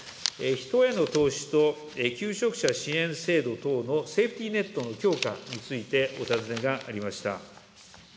人への投資と求職者支援制度等のセーフティネットの強化について、お尋ねがありました。